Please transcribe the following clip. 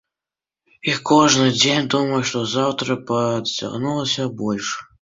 І кожны дзень думаю, што заўтра падцягнуся больш.